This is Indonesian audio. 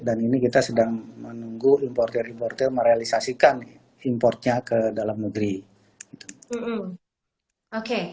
dan ini kita sedang menunggu importer importer merealisasikan importnya ke dalam mudri oke